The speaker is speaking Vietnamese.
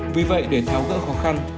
vì vậy để tháo gỡ khó khăn